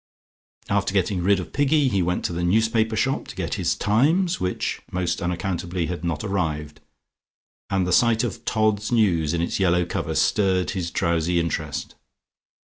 After getting rid of Piggy, he went to the newspaper shop, to get his "Times," which most unaccountably had not arrived, and the sight of "Todd's News" in its yellow cover stirred his drowsy interest.